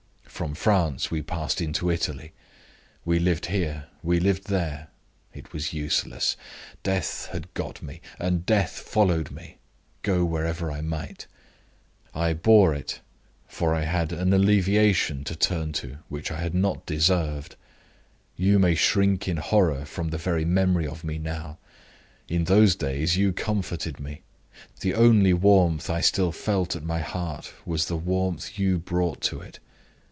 From France we passed into Italy. We lived here; we lived there. It was useless. Death had got met and Death followed me, go where I might. I bore it, for I had an alleviation to turn to which I had not deserved. You may shrink in horror from the very memory of me now. In those days, you comforted me. The only warmth I still felt at my heart was the warmth you brought to it.